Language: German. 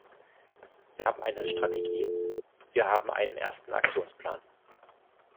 Wir haben eine Strategie, wir haben einen ersten Aktionsplan.